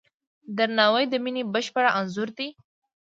درناوی د مینې بشپړ انځور دی.